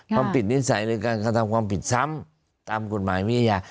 ความผิดนิสัยโดยการกระทำความผิดซ้ำตามกฎหมายวิทยา